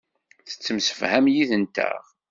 Tettemsefham yid-nteɣ.